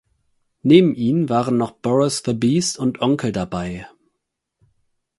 Neben ihnen waren noch "Boris the Beast" und "Onkel" dabei.